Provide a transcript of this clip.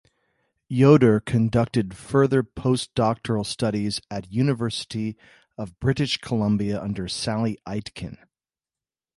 Yoder conducted further postdoctoral studies at University of British Columbia under Sally Aitken.